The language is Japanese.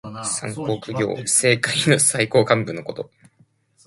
三公九卿。政界の最高幹部のこと。